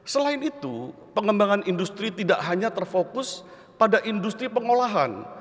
selain itu pengembangan industri tidak hanya terfokus pada industri pengolahan